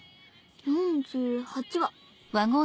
４８話。